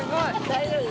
大丈夫？